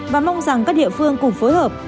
và mong rằng các địa phương cùng phối hợp